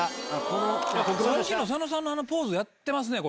さっきの佐野さんのポーズやってますね。